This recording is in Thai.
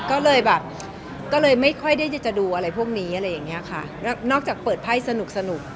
ก็เลยแบบก็เลยไม่ค่อยได้จะดูอะไรพวกนี้อะไรอย่างเงี้ยค่ะนอกจากเปิดไพ่สนุกสนุก